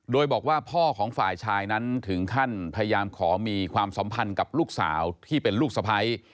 โดยบอกว่าพ่อของฝ่ายชายนั้นถึงขั้นพยายามขอมีความสัมพันธ์กับลูกสาวที่เป็นลูกสะพ้าย